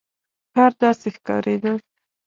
ښار داسې ښکارېده.